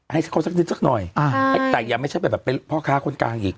ให้เขาสักนิดสักหน่อยแต่ยังไม่ใช่แบบเป็นพ่อค้าคนกลางอีก